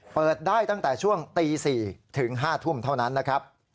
เปิดได้ตั้งแต่ช่วงตี๔ถึง๕ทุ่มเท่านั้นนะครับ